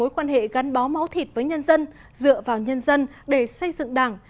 mối quan hệ gắn bó máu thịt với nhân dân dựa vào nhân dân để xây dựng đảng